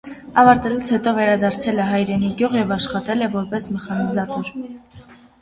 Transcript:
Ավարտելուց հետո վերադարձել է հայրենի գյուղ և աշղատել է որպես մեխանիզատոր։